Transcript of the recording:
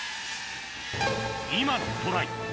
今のトライ